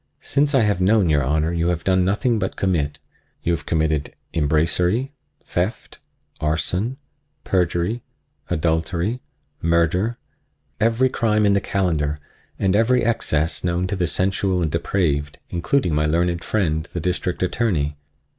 Since I have known your Honor you have done nothing but commit. You have committed embracery, theft, arson, perjury, adultery, murder—every crime in the calendar and every excess known to the sensual and depraved, including my learned friend, the District Attorney.